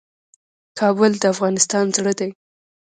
کابل د افغانستان زړه دی